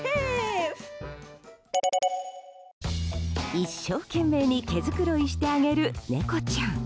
一生懸命に毛づくろいしてあげる猫ちゃん。